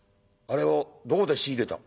あれをどこで仕入れた？」。